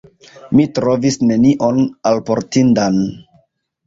Mi trovis nenion alportindan.